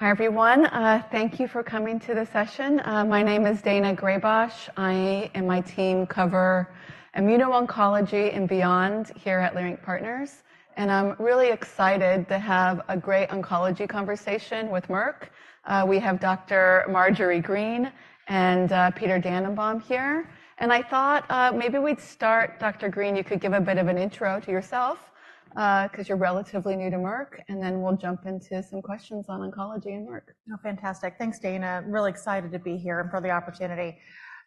Hi everyone. Thank you for coming to the session. My name is Daina Graybosch. I and my team cover immuno-oncology and beyond here at Leerink Partners. And I'm really excited to have a great oncology conversation with Merck. We have Dr. Marjorie Green and Peter Dannenbaum here. And I thought, maybe we'd start, Dr. Green, you could give a bit of an intro to yourself, because you're relatively new to Merck, and then we'll jump into some questions on oncology and Merck. Oh, fantastic. Thanks, Daina. Really excited to be here and for the opportunity.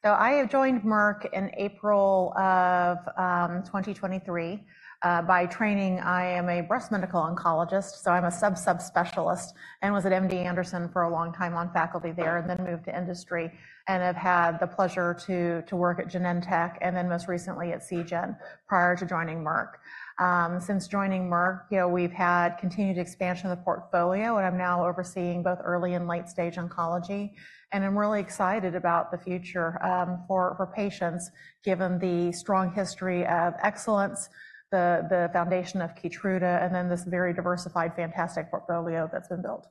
So I have joined Merck in April of 2023. By training, I am a breast medical oncologist, so I'm a sub-subspecialist, and was at MD Anderson for a long time on faculty there and then moved to industry and have had the pleasure to work at Genentech and then most recently at Seagen prior to joining Merck. Since joining Merck, you know, we've had continued expansion of the portfolio, and I'm now overseeing both early and late-stage oncology. I'm really excited about the future for patients given the strong history of excellence, the foundation of Keytruda, and then this very diversified, fantastic portfolio that's been built.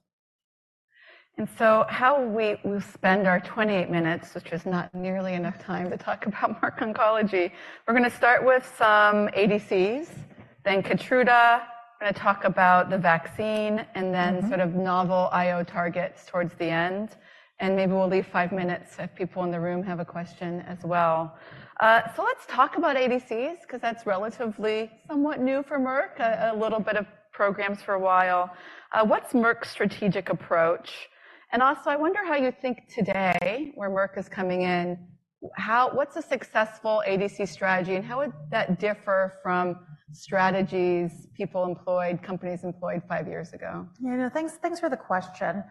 And so how will we—we'll spend our 28 minutes, which is not nearly enough time to talk about Merck oncology. We're going to start with some ADCs, then Keytruda, we're going to talk about the vaccine, and then sort of novel I/O targets towards the end. And maybe we'll leave 5 minutes if people in the room have a question as well. So let's talk about ADCs because that's relatively somewhat new for Merck, a little bit of programs for a while. What's Merck's strategic approach? And also, I wonder how you think today, where Merck is coming in, how—what's a successful ADC strategy, and how would that differ from strategies people employed, companies employed 5 years ago? You know, thanks, thanks for the question.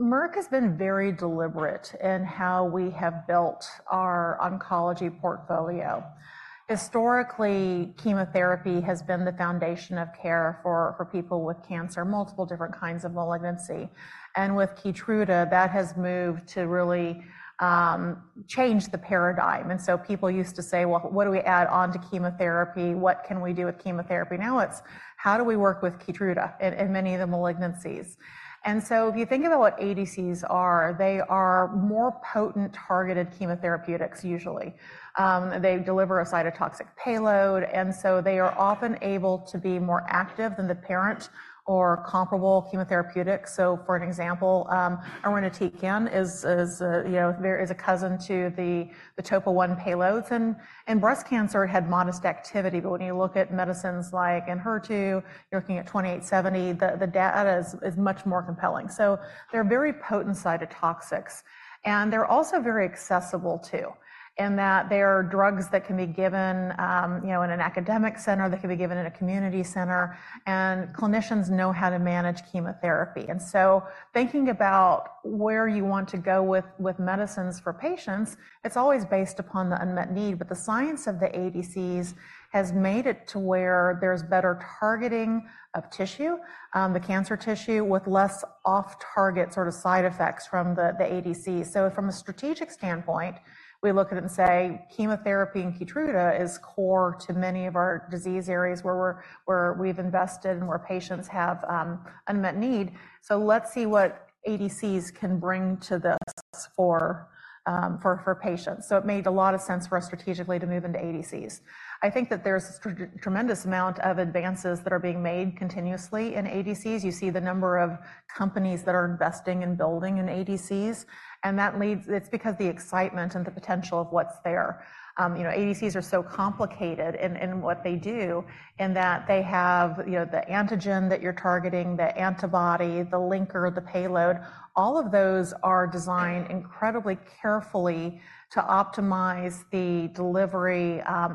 Merck has been very deliberate in how we have built our oncology portfolio. Historically, chemotherapy has been the foundation of care for people with cancer, multiple different kinds of malignancy. With KEYTRUDA, that has moved to really change the paradigm. So people used to say, "Well, what do we add on to chemotherapy? What can we do with chemotherapy?" Now it's, "How do we work with KEYTRUDA in many of the malignancies?" If you think about what ADCs are, they are more potent targeted chemotherapeutics, usually. They deliver a cytotoxic payload, and so they are often able to be more active than the parent or comparable chemotherapeutics. So for an example, ENHERTU is, you know, there is a cousin to the TOPO1 payloads. And breast cancer had modest activity, but when you look at medicines like ENHERTU, you're looking at 2870, the data is much more compelling. So they're very potent cytotoxics. And they're also very accessible too, in that they are drugs that can be given, you know, in an academic center, they can be given in a community center, and clinicians know how to manage chemotherapy. And so thinking about where you want to go with medicines for patients, it's always based upon the unmet need. But the science of the ADCs has made it to where there's better targeting of tissue, the cancer tissue, with less off-target sort of side effects from the ADCs. So from a strategic standpoint, we look at it and say, "Chemotherapy in KEYTRUDA is core to many of our disease areas where we've invested and where patients have unmet need. So let's see what ADCs can bring to this for patients." So it made a lot of sense for us strategically to move into ADCs. I think that there's a tremendous amount of advances that are being made continuously in ADCs. You see the number of companies that are investing and building in ADCs. And that leads. It's because of the excitement and the potential of what's there. You know, ADCs are so complicated in what they do, in that they have, you know, the antigen that you're targeting, the antibody, the linker, the payload. All of those are designed incredibly carefully to optimize the delivery of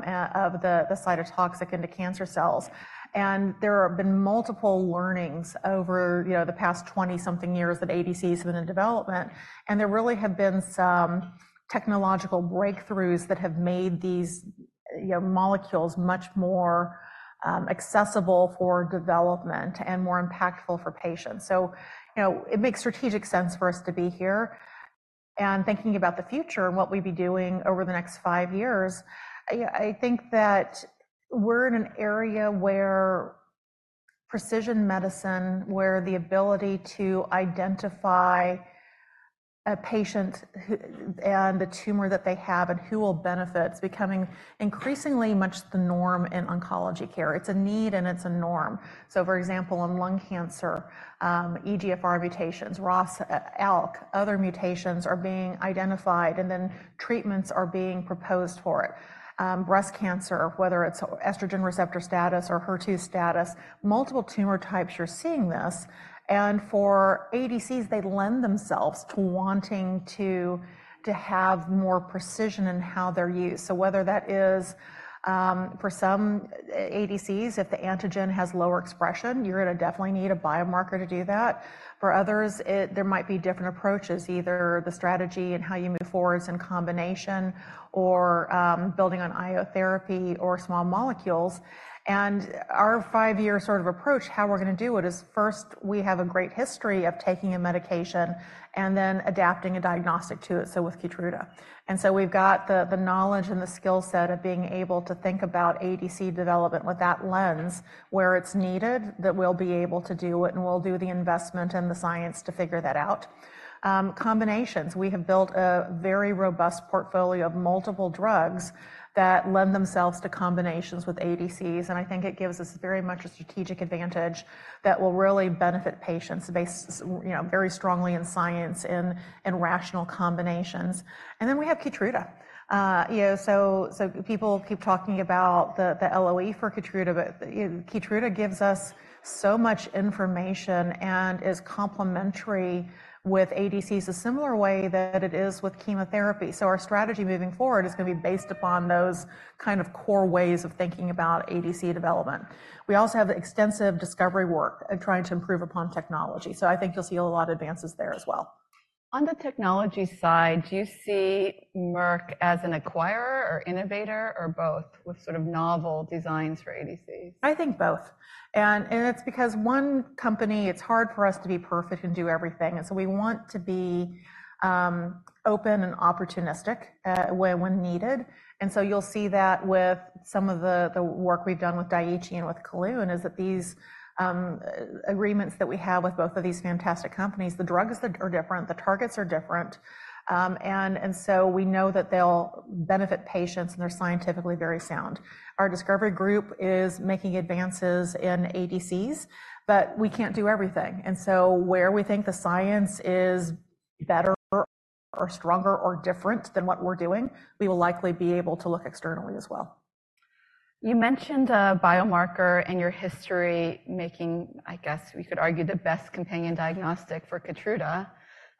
the cytotoxic into cancer cells. There have been multiple learnings over, you know, the past 20-something years that ADCs have been in development. There really have been some technological breakthroughs that have made these, you know, molecules much more accessible for development and more impactful for patients. So, you know, it makes strategic sense for us to be here. Thinking about the future and what we'd be doing over the next five years, you know, I think that we're in an area where precision medicine, where the ability to identify a patient who and the tumor that they have and who will benefit is becoming increasingly much the norm in oncology care. It's a need, and it's a norm. For example, in lung cancer, EGFR mutations, ROS, ALK, other mutations are being identified, and then treatments are being proposed for it. breast cancer, whether it's estrogen receptor status or HER2 status, multiple tumor types you're seeing this. And for ADCs, they lend themselves to wanting to, to have more precision in how they're used. So whether that is, for some ADCs, if the antigen has lower expression, you're going to definitely need a biomarker to do that. For others, it, there might be different approaches, either the strategy and how you move forward in combination or, building on immunotherapy or small molecules. And our five-year sort of approach, how we're going to do it, is first we have a great history of taking a medication and then adapting a diagnostic to it. So with KEYTRUDA. And so we've got the knowledge and the skill set of being able to think about ADC development with that lens where it's needed, that we'll be able to do it, and we'll do the investment and the science to figure that out. Combinations. We have built a very robust portfolio of multiple drugs that lend themselves to combinations with ADCs. And I think it gives us very much a strategic advantage that will really benefit patients based, you know, very strongly in science in rational combinations. And then we have KEYTRUDA. You know, so people keep talking about the LOE for KEYTRUDA, but KEYTRUDA gives us so much information and is complementary with ADCs a similar way that it is with chemotherapy. So our strategy moving forward is going to be based upon those kind of core ways of thinking about ADC development. We also have extensive discovery work and trying to improve upon technology. So I think you'll see a lot of advances there as well. On the technology side, do you see Merck as an acquirer or innovator or both with sort of novel designs for ADCs? I think both. And it's because one company, it's hard for us to be perfect and do everything. And so we want to be open and opportunistic, when needed. And so you'll see that with some of the work we've done with Daiichi and with Kelun is that these agreements that we have with both of these fantastic companies, the drugs that are different, the targets are different. And so we know that they'll benefit patients, and they're scientifically very sound. Our discovery group is making advances in ADCs, but we can't do everything. And so where we think the science is better or stronger or different than what we're doing, we will likely be able to look externally as well. You mentioned a biomarker in your history making, I guess we could argue, the best companion diagnostic for KEYTRUDA.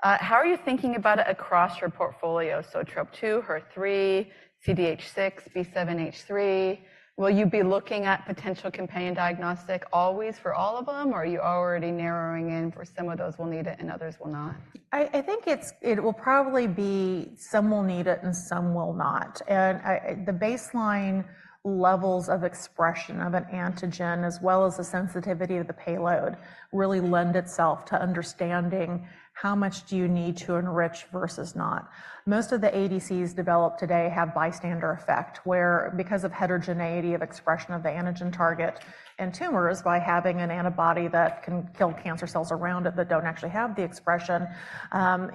How are you thinking about it across your portfolio? So TROP2, HER3, CDH6, B7-H3. Will you be looking at potential companion diagnostic always for all of them, or are you already narrowing in for some of those will need it and others will not? I, I think it's—it will probably be some will need it and some will not. And, the baseline levels of expression of an antigen as well as the sensitivity of the payload really lend itself to understanding how much do you need to enrich versus not. Most of the ADCs developed today have bystander effect where, because of heterogeneity of expression of the antigen target in tumors by having an antibody that can kill cancer cells around it that don't actually have the expression,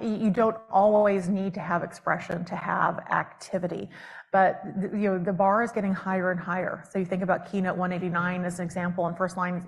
you don't always need to have expression to have activity. But, you know, the bar is getting higher and higher. So you think about KEYNOTE-189 as an example and first-line,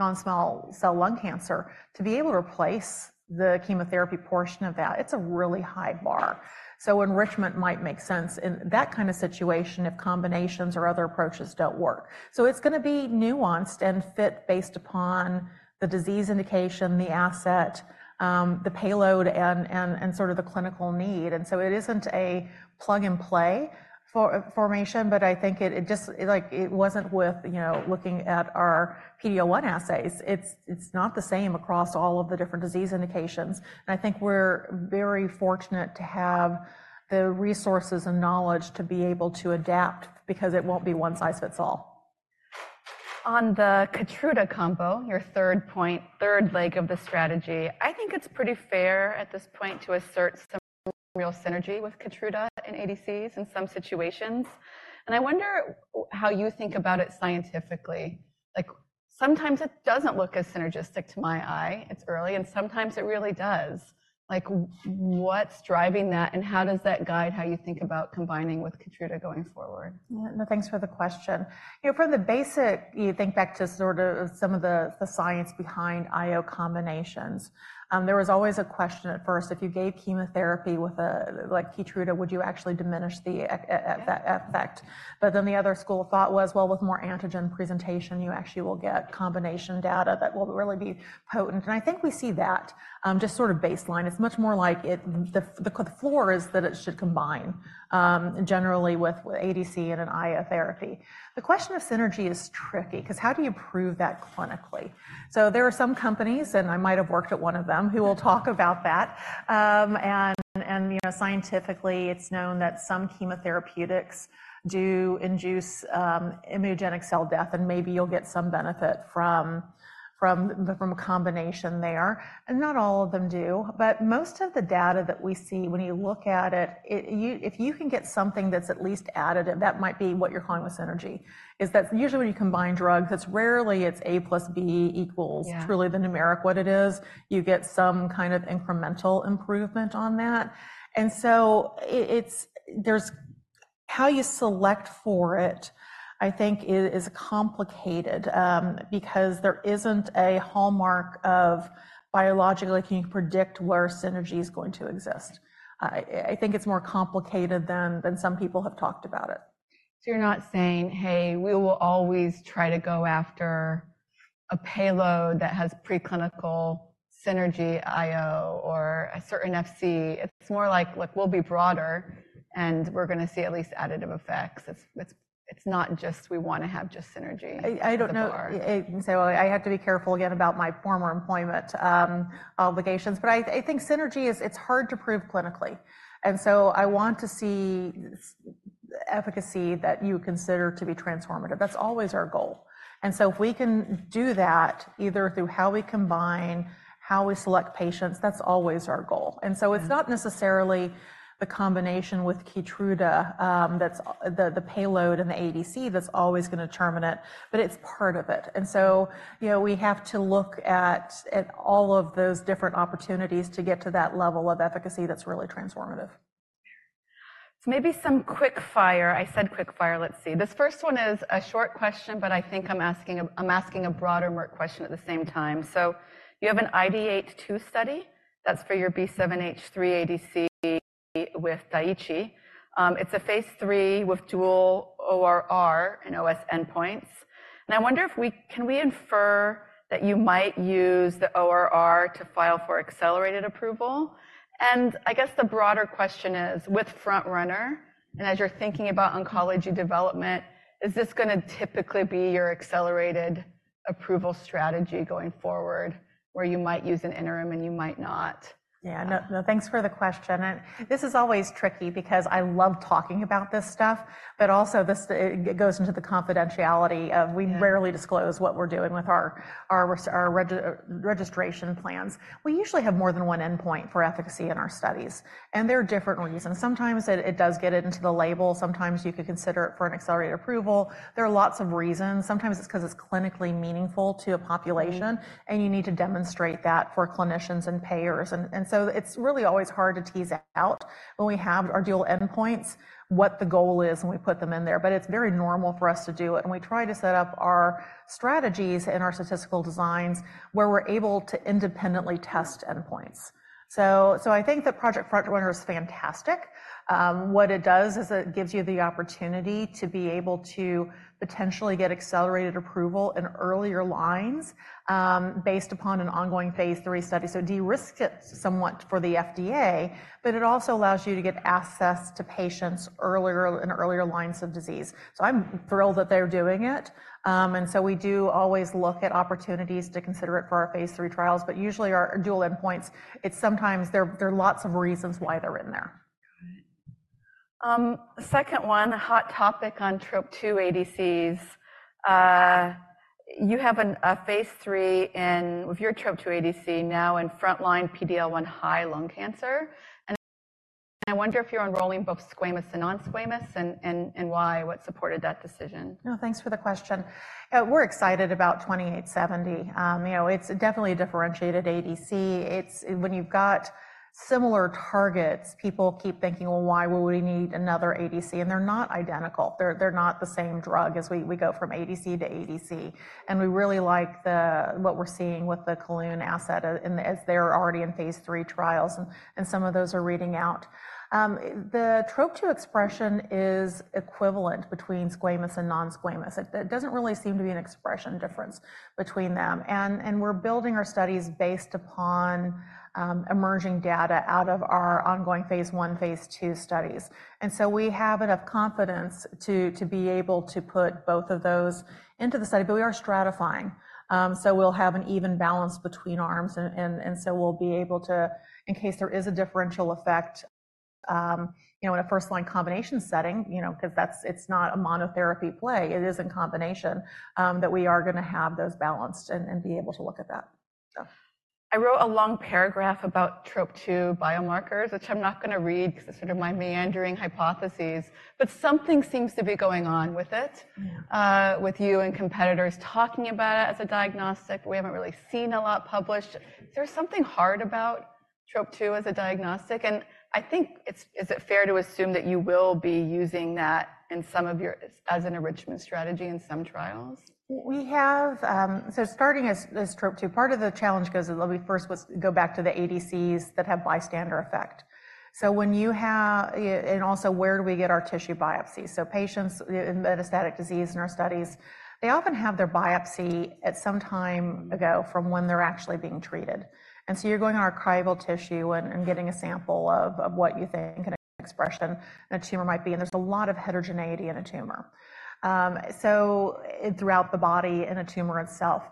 non-small cell lung cancer. To be able to replace the chemotherapy portion of that, it's a really high bar. So enrichment might make sense in that kind of situation if combinations or other approaches don't work. So it's going to be nuanced and fit based upon the disease indication, the asset, the payload, and sort of the clinical need. And so it isn't a plug-and-play formation, but I think it just—like, it wasn't with, you know, looking at our PD-L1 assays. It's not the same across all of the different disease indications. And I think we're very fortunate to have the resources and knowledge to be able to adapt because it won't be one size fits all. On the KEYTRUDA combo, your third point, third leg of the strategy, I think it's pretty fair at this point to assert some real synergy with KEYTRUDA in ADCs in some situations. And I wonder how you think about it scientifically. Like, sometimes it doesn't look as synergistic to my eye. It's early. And sometimes it really does. Like, what's driving that, and how does that guide how you think about combining with KEYTRUDA going forward? Yeah. No, thanks for the question. You know, from the basic, you think back to sort of some of the, the science behind I/O combinations. There was always a question at first. If you gave chemotherapy with a, like, KEYTRUDA, would you actually diminish the effect? But then the other school of thought was, well, with more antigen presentation, you actually will get combination data that will really be potent. And I think we see that, just sort of baseline. It's much more like it—the, the floor is that it should combine, generally with ADC and an I/O therapy. The question of synergy is tricky because how do you prove that clinically? So there are some companies, and I might have worked at one of them, who will talk about that. you know, scientifically, it's known that some chemotherapeutics do induce immunogenic cell death, and maybe you'll get some benefit from a combination there. And not all of them do. But most of the data that we see when you look at it, if you can get something that's at least additive, that might be what you're calling with synergy, is that usually when you combine drugs, it's rarely A plus B equals truly the numeric what it is. You get some kind of incremental improvement on that. And so it's. There's how you select for it, I think, is complicated, because there isn't a hallmark of biologically can you predict where synergy is going to exist. I think it's more complicated than some people have talked about it. So you're not saying, "Hey, we will always try to go after a payload that has preclinical synergy I/O or a certain FC." It's more like, "Look, we'll be broader, and we're going to see at least additive effects." It's not just we want to have just synergy. I don't know. I can say, well, I have to be careful again about my former employment obligations. But I think synergy is, it's hard to prove clinically. And so I want to see the efficacy that you consider to be transformative. That's always our goal. And so if we can do that either through how we combine, how we select patients, that's always our goal. And so it's not necessarily the combination with KEYTRUDA, that's the payload and the ADC that's always going to determine it, but it's part of it. And so, you know, we have to look at all of those different opportunities to get to that level of efficacy that's really transformative. So maybe some quickfire. I said quickfire. Let's see. This first one is a short question, but I think I'm asking a—I'm asking a broader Merck question at the same time. So you have an ID82 study. That's for your B7-H3 ADC with Daiichi. It's a phase three with dual ORR and OS endpoints. And I wonder if we—can we infer that you might use the ORR to file for accelerated approval? And I guess the broader question is, with FrontRunner and as you're thinking about oncology development, is this going to typically be your accelerated approval strategy going forward where you might use an interim and you might not? Yeah. No, no, thanks for the question. And this is always tricky because I love talking about this stuff, but also this, it goes into the confidentiality of we rarely disclose what we're doing with our, our, our registration plans. We usually have more than one endpoint for efficacy in our studies. And there are different reasons. Sometimes it does get into the label. Sometimes you could consider it for an accelerated approval. There are lots of reasons. Sometimes it's because it's clinically meaningful to a population, and you need to demonstrate that for clinicians and payers. And, and so it's really always hard to tease out when we have our dual endpoints what the goal is when we put them in there. But it's very normal for us to do it. And we try to set up our strategies and our statistical designs where we're able to independently test endpoints. So, I think that Project FrontRunner is fantastic. What it does is it gives you the opportunity to be able to potentially get accelerated approval in earlier lines, based upon an ongoing phase three study. So derisks it somewhat for the FDA, but it also allows you to get access to patients earlier in earlier lines of disease. So I'm thrilled that they're doing it. And so we do always look at opportunities to consider it for our phase three trials. But usually our dual endpoints, it's sometimes there are lots of reasons why they're in there. Second one, a hot topic on TROP2 ADCs. You have a phase 3 in with your TROP2 ADC now in frontline PD-L1 high lung cancer. And I wonder if you're enrolling both squamous and non-squamous and why? What supported that decision? No, thanks for the question. We're excited about 2870. You know, it's definitely a differentiated ADC. It's when you've got similar targets, people keep thinking, "Well, why would we need another ADC?" And they're not identical. They're, they're not the same drug as we—we go from ADC to ADC. And we really like the—what we're seeing with the Kelun asset in the—as they're already in phase three trials, and, and some of those are reading out. The TROP2 expression is equivalent between squamous and non-squamous. It doesn't really seem to be an expression difference between them. And, and we're building our studies based upon, emerging data out of our ongoing phase one, phase two studies. And so we have enough confidence to, to be able to put both of those into the study. But we are stratifying. So we'll have an even balance between arms. So we'll be able to, in case there is a differential effect, you know, in a first-line combination setting, you know, because that's, it's not a monotherapy play. It is in combination, that we are going to have those balanced and be able to look at that. I wrote a long paragraph about TROP2 biomarkers, which I'm not going to read because it's sort of my meandering hypotheses. But something seems to be going on with it, with you and competitors talking about it as a diagnostic. We haven't really seen a lot published. Is there something hard about TROP2 as a diagnostic? And I think it's—is it fair to assume that you will be using that in some of your as an enrichment strategy in some trials? We have, so starting as TROP2, part of the challenge goes that they'll be first was go back to the ADCs that have bystander effect. So when you have—and also where do we get our tissue biopsies? So patients in metastatic disease in our studies, they often have their biopsy at some time ago from when they're actually being treated. And so you're going on archival tissue and getting a sample of what you think an expression in a tumor might be. And there's a lot of heterogeneity in a tumor, so throughout the body in a tumor itself,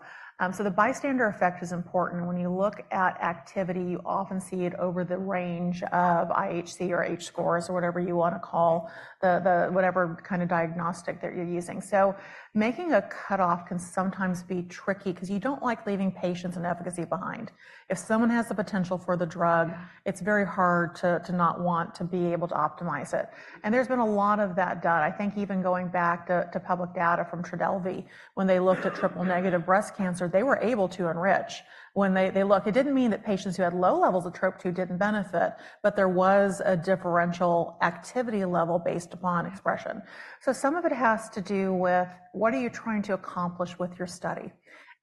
so the bystander effect is important. When you look at activity, you often see it over the range of IHC or H scores or whatever you want to call the whatever kind of diagnostic that you're using. So making a cutoff can sometimes be tricky because you don't like leaving patients and efficacy behind. If someone has the potential for the drug, it's very hard to, to not want to be able to optimize it. And there's been a lot of that done. I think even going back to, to public data from TRODELVY when they looked at triple-negative breast cancer, they were able to enrich when they, they looked. It didn't mean that patients who had low levels of TROP2 didn't benefit, but there was a differential activity level based upon expression. So some of it has to do with what are you trying to accomplish with your study?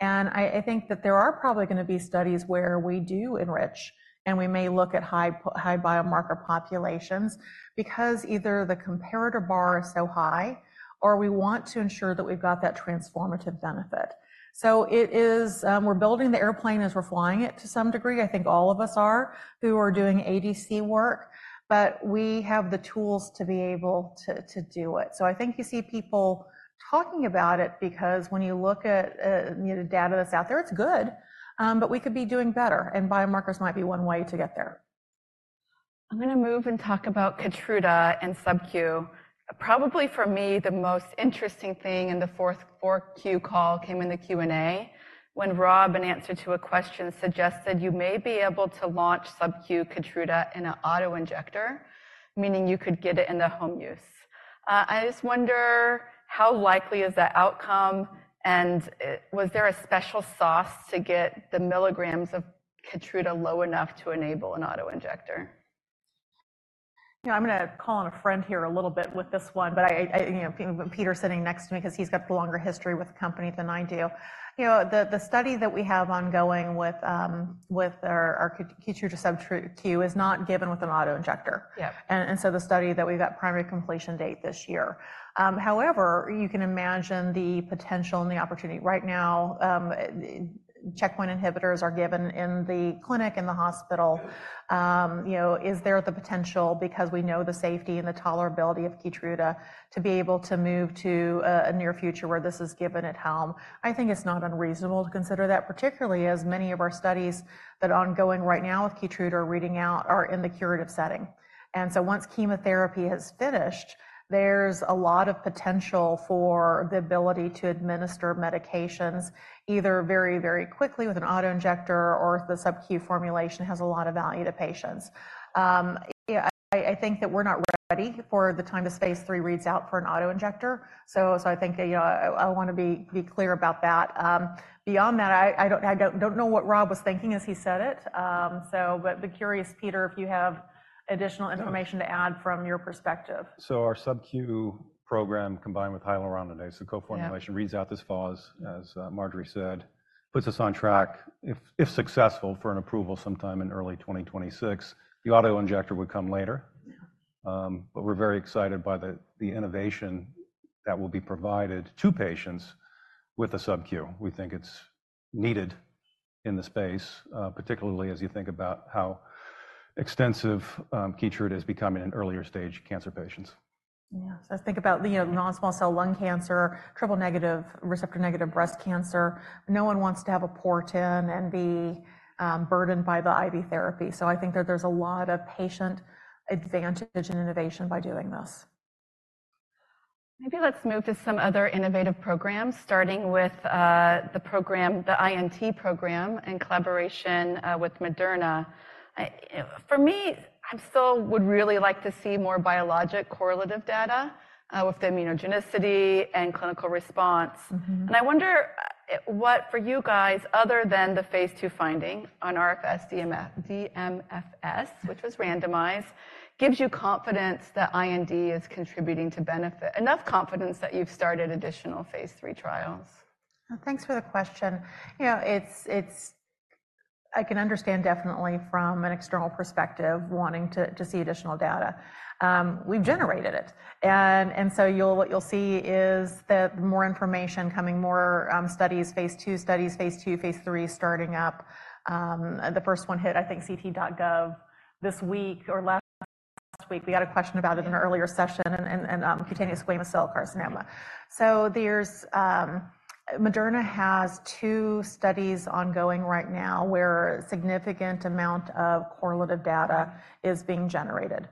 And I, I think that there are probably going to be studies where we do enrich, and we may look at high, high biomarker populations because either the comparator bar is so high or we want to ensure that we've got that transformative benefit. So it is, we're building the airplane as we're flying it to some degree. I think all of us are who are doing ADC work. But we have the tools to be able to, to do it. So I think you see people talking about it because when you look at, you know, the data that's out there, it's good. But we could be doing better. And biomarkers might be one way to get there. I'm going to move and talk about KEYTRUDA and SubQ. Probably for me, the most interesting thing in the fourth, fourth Q call came in the Q&A when Rob, in answer to a question, suggested you may be able to launch SubQ KEYTRUDA in an autoinjector, meaning you could get it in the home use. I just wonder how likely is that outcome? And was there a special sauce to get the milligrams of KEYTRUDA low enough to enable an autoinjector? You know, I'm going to call on a friend here a little bit with this one. But I, you know, Peter's sitting next to me because he's got the longer history with the company than I do. You know, the study that we have ongoing with our KEYTRUDA SubQ is not given with an autoinjector. Yeah. And so the study that we've got primary completion date this year. However, you can imagine the potential and the opportunity. Right now, checkpoint inhibitors are given in the clinic, in the hospital. You know, is there the potential because we know the safety and the tolerability of Keytruda to be able to move to a near future where this is given at home? I think it's not unreasonable to consider that, particularly as many of our studies that are ongoing right now with Keytruda are reading out, are in the curative setting. And so once chemotherapy has finished, there's a lot of potential for the ability to administer medications either very, very quickly with an autoinjector or if the SubQ formulation has a lot of value to patients. You know, I think that we're not ready for the time the phase 3 reads out for an autoinjector. So, I think, you know, I want to be clear about that. Beyond that, I don't know what Rob was thinking as he said it. But curious, Peter, if you have additional information to add from your perspective. So our SubQ program combined with Hyaluronidase, so coformulation, reads out this FAUS, as Marjorie said, puts us on track, if successful, for an approval sometime in early 2026. The autoinjector would come later. But we're very excited by the innovation that will be provided to patients with a SubQ. We think it's needed in the space, particularly as you think about how extensive KEYTRUDA is becoming in earlier stage cancer patients. Yeah. So I think about the, you know, non-small cell lung cancer, triple-negative receptor-negative breast cancer. No one wants to have a port in and be, burdened by the IV therapy. So I think that there's a lot of patient advantage and innovation by doing this. Maybe let's move to some other innovative programs, starting with the program, the iNeST program in collaboration with Moderna. I, for me, I'm still would really like to see more biologic correlative data with the immunogenicity and clinical response. And I wonder what, for you guys, other than the phase two finding on RFS, DMFS, which was randomized, gives you confidence that iNeST is contributing to benefit, enough confidence that you've started additional phase three trials? Thanks for the question. You know, it's. I can understand definitely from an external perspective wanting to see additional data. We've generated it. And so what you'll see is that more information coming, more studies, phase two studies, phase two, phase three starting up. The first one hit, I think, ct.gov this week or last week. We got a question about it in an earlier session and cutaneous squamous cell carcinoma. So there's, Moderna has two studies ongoing right now where a significant amount of correlative data is being generated.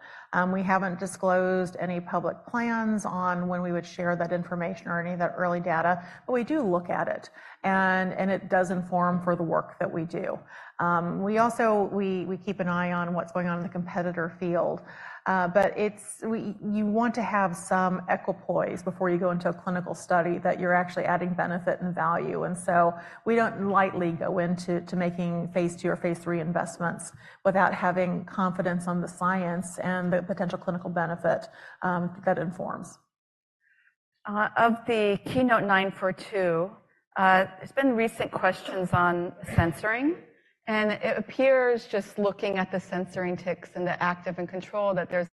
We haven't disclosed any public plans on when we would share that information or any of that early data, but we do look at it. And it does inform for the work that we do. We also keep an eye on what's going on in the competitor field. But it's, you want to have some equipoise before you go into a clinical study that you're actually adding benefit and value. So we don't lightly go into making phase two or phase three investments without having confidence on the science and the potential clinical benefit, that informs. Of the KEYNOTE-942, there's been recent questions on censoring. And it appears just looking at the censoring events and the active and control that there's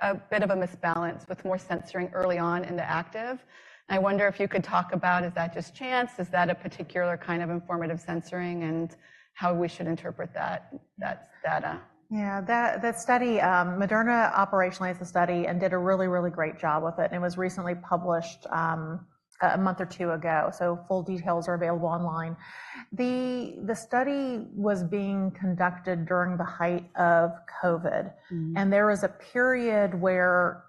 a bit of an imbalance with more censoring early on in the active. And I wonder if you could talk about, is that just chance? Is that a particular kind of informative censoring and how we should interpret that, that data? Yeah. That study, Moderna operationalized the study and did a really, really great job with it. And it was recently published, a month or two ago. So full details are available online. The study was being conducted during the height of COVID. And there was a period where,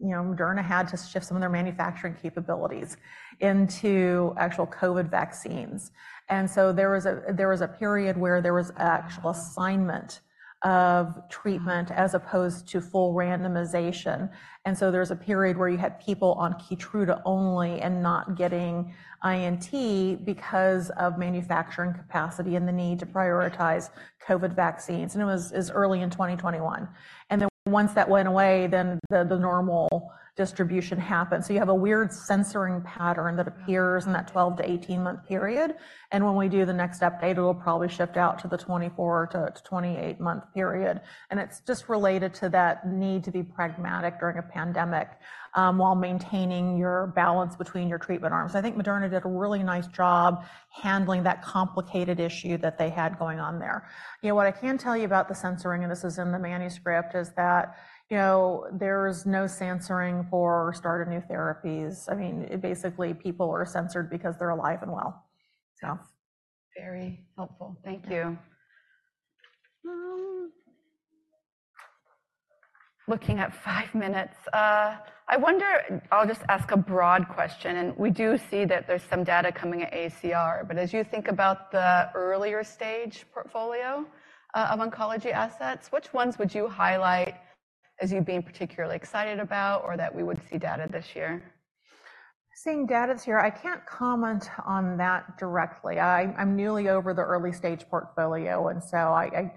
you know, Moderna had to shift some of their manufacturing capabilities into actual COVID vaccines. And so there was a period where there was actual assignment of treatment as opposed to full randomization. And so there's a period where you had people on KEYTRUDA only and not getting INT because of manufacturing capacity and the need to prioritize COVID vaccines. And it was early in 2021. And then once that went away, then the normal distribution happened. So you have a weird censoring pattern that appears in that 12-18-month period. And when we do the next update, it'll probably shift out to the 24-28-month period. And it's just related to that need to be pragmatic during a pandemic, while maintaining your balance between your treatment arms. I think Moderna did a really nice job handling that complicated issue that they had going on there. You know, what I can tell you about the censoring, and this is in the manuscript, is that, you know, there's no censoring for start of new therapies. I mean, basically, people are censored because they're alive and well. Very helpful. Thank you. Looking at five minutes, I wonder, I'll just ask a broad question. And we do see that there's some data coming at ACR. But as you think about the earlier stage portfolio of oncology assets, which ones would you highlight as you being particularly excited about or that we would see data this year? Seeing data this year, I can't comment on that directly. I'm newly over the early stage portfolio. So I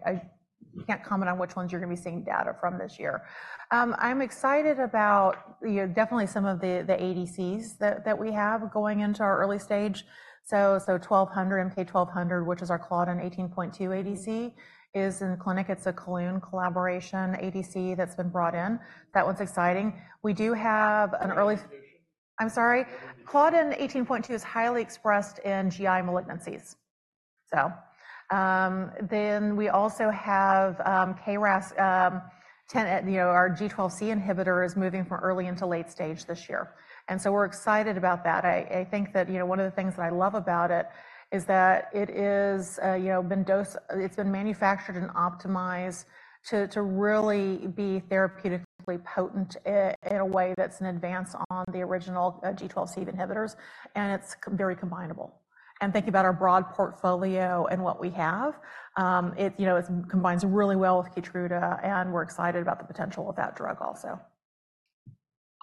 can't comment on which ones you're going to be seeing data from this year. I'm excited about, you know, definitely some of the ADCs that we have going into our early stage. So MK-1200, which is our Claudin 18.2 ADC, is in the clinic. It's a Kelun collaboration ADC that's been brought in. That one's exciting. We do have an early. I'm sorry. Claudin 18.2 is highly expressed in GI malignancies. So then we also have KRAS 10, you know, our G12C inhibitor is moving from early into late stage this year. So we're excited about that. I think that, you know, one of the things that I love about it is that it is, you know, been dosed. It's been manufactured and optimized to really be therapeutically potent in a way that's an advance on the original G12C inhibitors. It's very combinable. Thinking about our broad portfolio and what we have, it, you know, it combines really well with KEYTRUDA. We're excited about the potential of that drug also.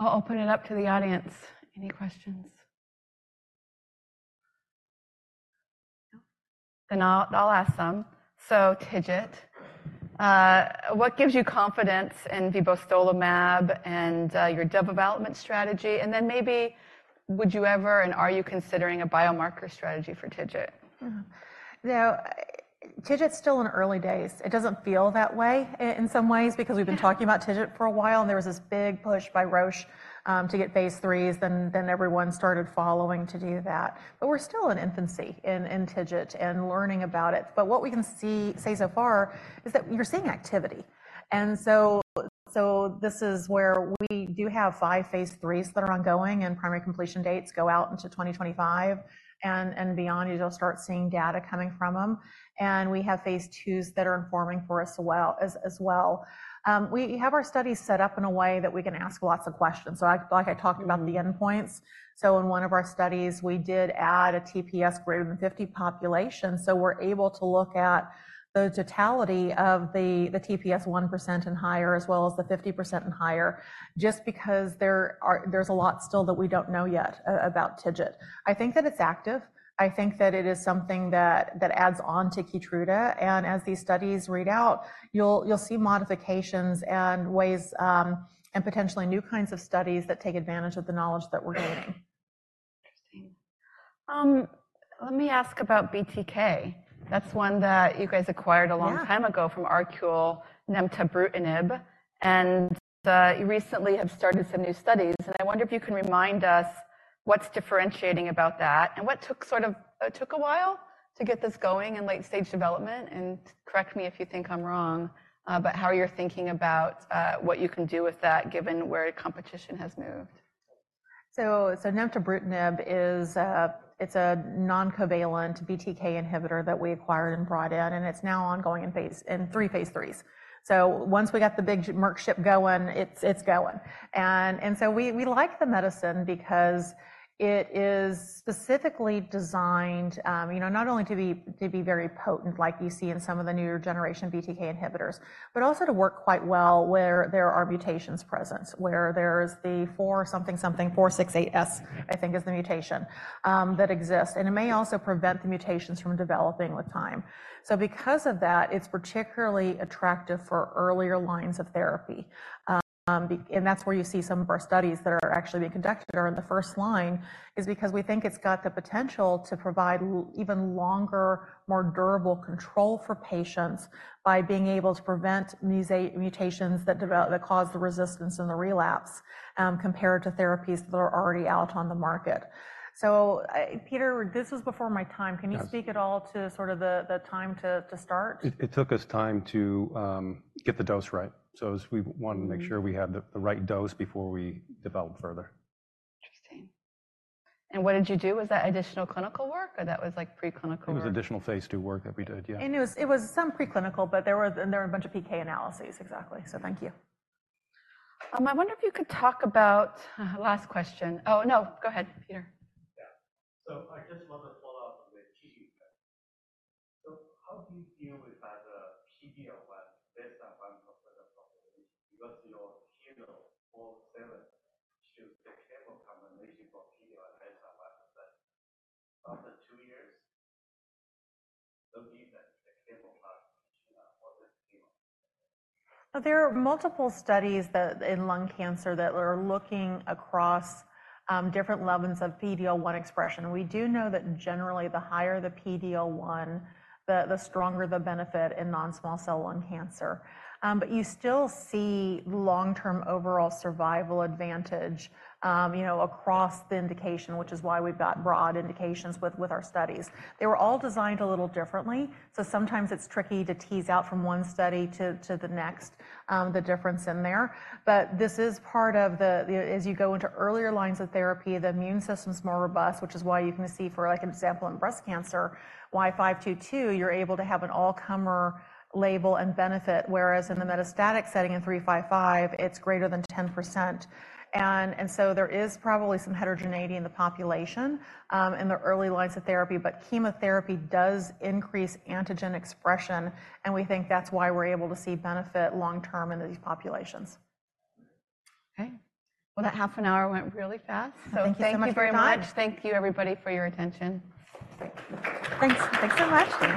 I'll open it up to the audience. Any questions? Then I'll ask some. So, TIGIT. What gives you confidence in vivostolimab and your development strategy? And then maybe, would you ever and are you considering a biomarker strategy for TIGIT? Now, TIGIT's still in early days. It doesn't feel that way in some ways because we've been talking about TIGIT for a while. There was this big push by Roche to get phase 3s. Then everyone started following to do that. But we're still in infancy in TIGIT and learning about it. But what we can see so far is that you're seeing activity. So this is where we do have five phase 3s that are ongoing. And primary completion dates go out into 2025 and beyond. You'll start seeing data coming from them. And we have phase 2s that are informing for us as well. We have our studies set up in a way that we can ask lots of questions. So, like I talked about the endpoints. So in one of our studies, we did add a TPS greater than 50 population. So we're able to look at the totality of the TPS 1% and higher, as well as the 50% and higher, just because there's a lot still that we don't know yet about TIGIT. I think that it's active. I think that it is something that adds on to KEYTRUDA. And as these studies read out, you'll see modifications and ways, and potentially new kinds of studies that take advantage of the knowledge that we're gaining. Let me ask about BTK. That's one that you guys acquired a long time ago from Arcus, nemtabrutinib. You recently have started some new studies. I wonder if you can remind us what's differentiating about that and what took sort of a while to get this going in late-stage development. Correct me if you think I'm wrong, but how you're thinking about what you can do with that given where competition has moved. So, nemtabrutinib is a noncovalent BTK inhibitor that we acquired and brought in. And it's now ongoing in three phase threes. So once we got the big Merck ship going, it's going. And so we like the medicine because it is specifically designed, you know, not only to be very potent, like you see in some of the newer generation BTK inhibitors, but also to work quite well where there are mutations present, where there's the C481S, I think, is the mutation, that exists. And it may also prevent the mutations from developing with time. So because of that, it's particularly attractive for earlier lines of therapy. That's where you see some of our studies that are actually being conducted are in the first line is because we think it's got the potential to provide even longer, more durable control for patients by being able to prevent mutations that develop that cause the resistance and the relapse, compared to therapies that are already out on the market. So, Peter, this was before my time. Can you speak at all to sort of the time to start? It took us time to get the dose right. So as we wanted to make sure we had the right dose before we developed further. What did you do? Was that additional clinical work or that was like preclinical work? It was additional phase 2 work that we did, yeah. And it was some preclinical, but there were a bunch of PK analyses, exactly. So thank you. I wonder if you could talk about last question. Oh, no. Go ahead, Peter. Yeah. So I just want to follow up with Keytruda. So how do you deal with the PD-1, B7-H1 for the population? Because your KEYNOTE-407 shows the chemo combination for PD-1 and B7-H1. But after two years, don't give them the chemo class. What's the schema? There are multiple studies in lung cancer that are looking across different levels of PD-L1 expression. We do know that generally, the higher the PD-L1, the stronger the benefit in non-small cell lung cancer. But you still see long-term overall survival advantage, you know, across the indication, which is why we've got broad indications with our studies. They were all designed a little differently. So sometimes it's tricky to tease out from one study to the next, the difference in there. But this is part of the, as you go into earlier lines of therapy, the immune system's more robust, which is why you can see for, like, an example in breast cancer, KEYNOTE-522, you're able to have an all-comer label and benefit. Whereas in the metastatic setting in KEYNOTE-355, it's greater than 10%. And so there is probably some heterogeneity in the population, in the early lines of therapy. But chemotherapy does increase antigen expression. We think that's why we're able to see benefit long-term in these populations. Okay. Well, that half an hour went really fast. So thank you so much. Thank you very much. Thank you, everybody, for your attention. Thanks. Thanks so much.